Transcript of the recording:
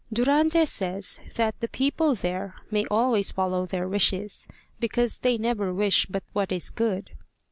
Durante says that the people there may always follow their wishes, because they never wish but what is good.